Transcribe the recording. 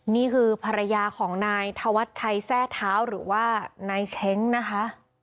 นี่คือภรรยาของนายธวัชชัยแทร่เท้าหรือว่านายเช้งนะคะ